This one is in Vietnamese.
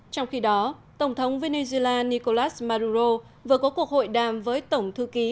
trong khi đó tổng thống venezuela nicolas maduro vừa có cuộc hội đàm với tổng thư ký